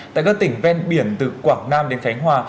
tại các tỉnh ven biển từ quảng nam đến khánh hòa